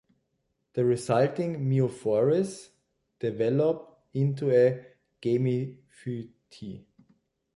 The resulting meiospores develop into a gametophyte.